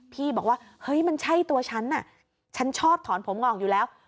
พี่บอกว่าเฮ้ยมันใช่ตัวฉันน่ะฉันฉันชอบถอนผมงอกอยู่แล้ว